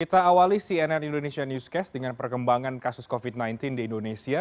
kita awali cnn indonesia newscast dengan perkembangan kasus covid sembilan belas di indonesia